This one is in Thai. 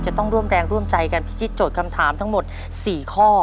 จะต้องร่วมแรงร่วมใจกันพิชิตโจทย์คำถามทั้งหมด๔ข้อ